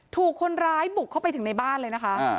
ถูกคนร้ายบุกเข้าไปถึงในบ้านเลยนะคะ